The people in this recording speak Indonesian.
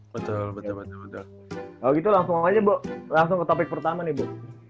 betul betul kalau gitu langsung aja bu langsung ke topik pertama nih bu